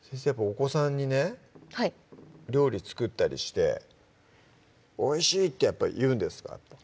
お子さんにね料理作ったりして「おいしい！」ってやっぱ言うんですか？